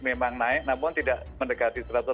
memang naik namun tidak mendekati